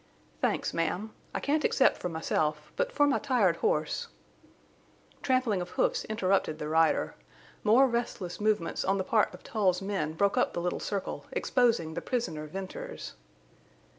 "Thanks, ma'am. I can't accept for myself—but for my tired horse—" Trampling of hoofs interrupted the rider. More restless movements on the part of Tull's men broke up the little circle, exposing the prisoner Venters.